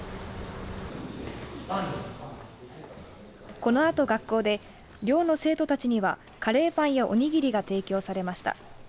このあと、学校で寮の生徒たちにはカレーパンやおにぎりが提供されました。